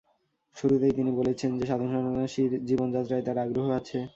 শুরুতেই তিনি বলছেন যে, সাধুসন্ন্যাসীর জীবনযাত্রায় তাঁর আগ্রহ আছে।